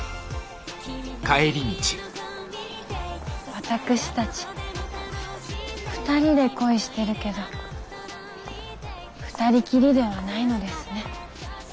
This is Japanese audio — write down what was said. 私たち二人で恋してるけど二人きりではないのですね。